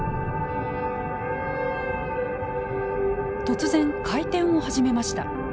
突然回転を始めました。